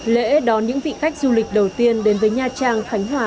lễ đón những vị khách du lịch đầu tiên đến với nha trang khánh hòa